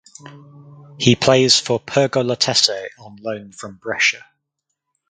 He plays for Pergolettese on loan from Brescia.